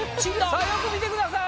さあよく見てください